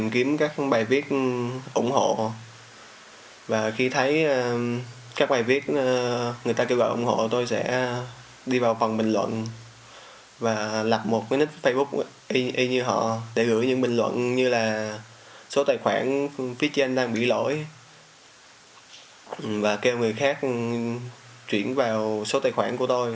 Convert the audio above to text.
khi thấy các bài viết người ta kêu gọi ủng hộ tôi sẽ đi vào phần bình luận và lập một nít facebook y như họ để gửi những bình luận như là số tài khoản phía trên đang bị lỗi và kêu người khác chuyển vào số tài khoản của tôi